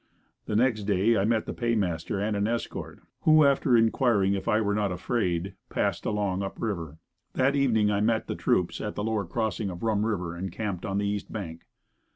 The next day I met the paymaster and an escort, who, after inquiring if I were not afraid passed along up river. That evening I met the troops at the lower crossing of Rum river encamped on the east bank.